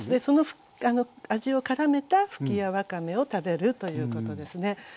その味をからめたふきやわかめを食べるということですね。